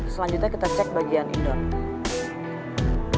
selanjutnya kita cek bagian indon